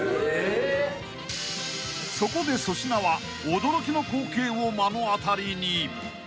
［そこで粗品は驚きの光景を目の当たりに］